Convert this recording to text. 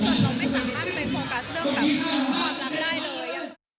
จนเราไม่สามารถไปโปรกัสเรื่องแบบขอบรับได้เลย